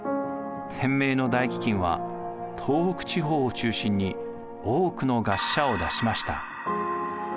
天明の大飢饉は東北地方を中心に多くの餓死者を出しました。